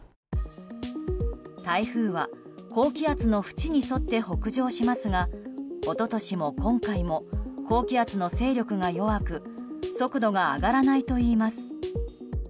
台風は高気圧の縁に沿って北上しますが一昨年も、今回も高気圧の勢力が弱く速度が上がらないといいます。